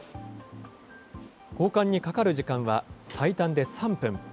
交換にかかる時間は最短で３分。